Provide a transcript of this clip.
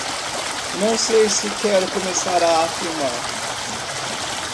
Não sei se quero começar a filmar.